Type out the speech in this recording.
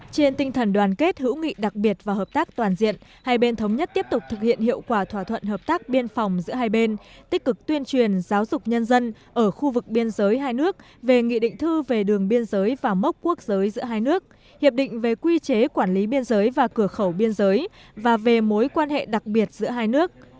trên tinh thần đoàn kết hữu nghị đặc biệt và hợp tác toàn diện hai bên thống nhất tiếp tục thực hiện hiệu quả thỏa thuận hợp tác biên phòng giữa hai bên tích cực tuyên truyền giáo dục nhân dân ở khu vực biên giới hai nước về nghị định thư về đường biên giới và mốc quốc giới giữa hai nước hiệp định về quy chế quản lý biên giới và cửa khẩu biên giới và về mối quan hệ đặc biệt giữa hai nước